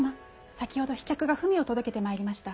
先ほど飛脚が文を届けてまいりました。